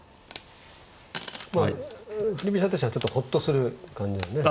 まあ振り飛車としてはちょっとほっとする感じだよね。